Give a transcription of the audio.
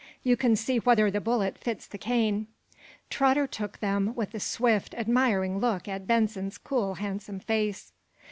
You can see whether the bullet fits the cane." Trotter took them, with a swift, admiring look at Benson's cool, handsome face.